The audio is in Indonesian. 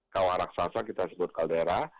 kawah raksasa kita sebut kaldera